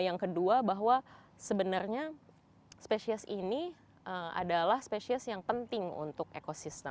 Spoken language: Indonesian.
yang kedua bahwa sebenarnya spesies ini adalah spesies yang penting untuk ekosistem